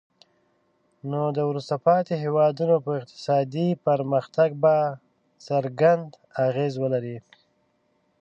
نو د وروسته پاتې هیوادونو په اقتصادي پرمختګ به څرګند اغیز ولري.